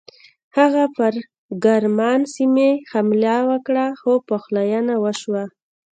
هغه پر ګرمان سیمې حمله وکړه خو پخلاینه وشوه.